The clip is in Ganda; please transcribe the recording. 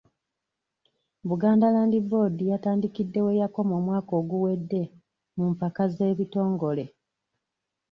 Buganda Land Board yatandikidde we yakoma omwaka oguwedde mu mpaka z'ebitongole.